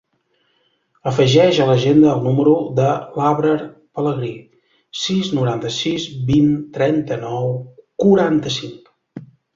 Afegeix a l'agenda el número de l'Abrar Pelegri: sis, noranta-sis, vint, trenta-nou, quaranta-cinc.